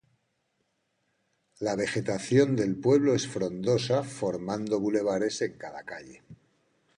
La vegetación del pueblo es frondosa formando bulevares en cada calle.